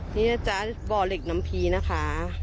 นี่นะจ๊ะบ่อเหล็กน้ำพีนะคะ